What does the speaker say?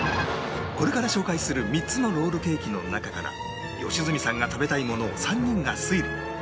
これから紹介する３つのロールケーキの中から良純さんが食べたいものを３人が推理